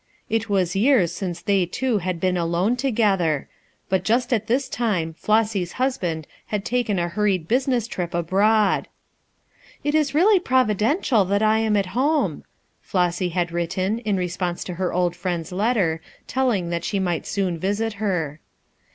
It was years since they two had been alone together, but just at this time Hossy's husband had taken a hurried business trip abroad. THEY HATED MYSTERY 2G1 "It is really providential that 1 am at home/' Flossy had written, in response to her old friend's letter, telling that she might soon visit her.